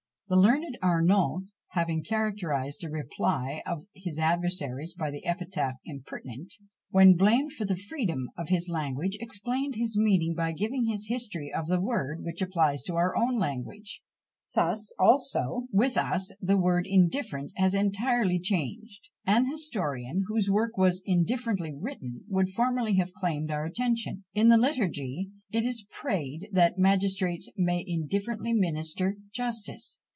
The learned Arnauld having characterised a reply of one of his adversaries by the epithet impertinent, when blamed for the freedom of his language, explained his meaning by giving this history of the word, which applies to our own language. Thus also with us the word indifferent has entirely changed: an historian, whose work was indifferently written, would formerly have claimed our attention. In the Liturgy it is prayed that "magistrates may indifferently minister justice."